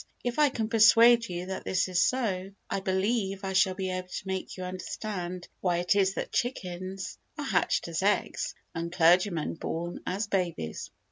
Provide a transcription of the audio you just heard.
If I can persuade you that this is so, I believe I shall be able to make you understand why it is that chickens are hatched as eggs and clergymen born as babies.